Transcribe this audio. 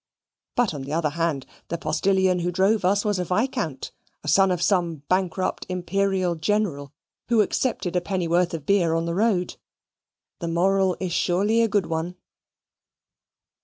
But, on the other hand, the postilion who drove us was a Viscount, a son of some bankrupt Imperial General, who accepted a pennyworth of beer on the road. The moral is surely a good one.